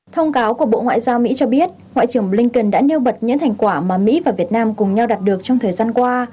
thông cáo của bộ ngoại giao mỹ cho biết ngoại trưởng blinken đã nêu bật những thành quả mà mỹ và việt nam cùng nhau đạt được trong thời gian qua